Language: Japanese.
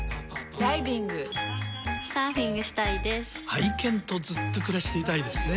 愛犬とずっと暮らしていたいですね。